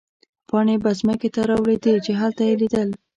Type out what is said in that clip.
پاڼې به مځکې ته رالوېدې، چې هلته يې لیدل.